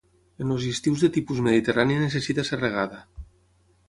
En els estius de tipus mediterrani necessita ser regada.